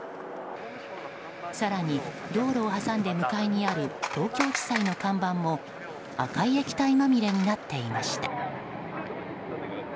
更に道路を挟んで向かいにある東京地裁の看板も赤い液体まみれになっていました。